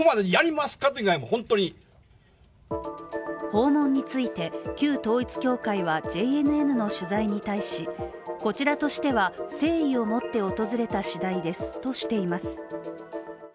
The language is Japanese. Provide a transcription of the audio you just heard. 訪問について、旧統一教会はＪＮＮの取材に対しこちらとしては誠意を持って訪れた次第ですとしています。